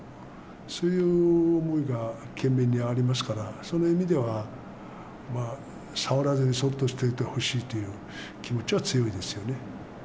そういう思いが県民にありますから、そういう意味では、触らずにそっとしておいてほしいという気持ちは強いですよね。